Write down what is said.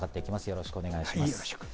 よろしくお願いします。